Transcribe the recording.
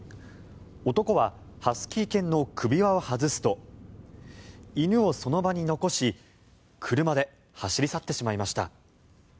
男はハスキー犬の首輪を外すと犬をその場に残し車で走り去ってしまいました。